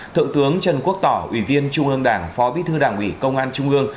thượng tướng trần quốc tỏ ủy viên trung ương đảng phó bí thư đảng ủy công an trung ương